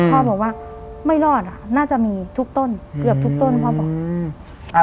พ่อบอกว่าไม่รอดอ่ะน่าจะมีทุกต้นเกือบทุกต้นพ่อบอกอืม